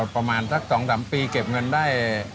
ประมาณสัก๒๓ปีเก็บเงินได้